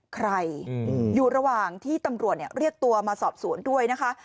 ใครอยู่ระหว่างที่ตำรวจเรียกตัวมาสอบสวนด้วยนะคะ